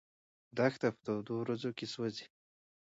دښته په تودو ورځو کې سوځي.